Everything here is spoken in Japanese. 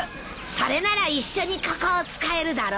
それなら一緒にここを使えるだろ？